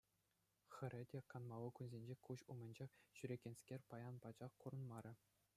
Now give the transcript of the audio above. Хӗрӗ те канмалли кунсенче куҫ умӗнчех ҫӳрекенскер паян пачах курӑнмарӗ.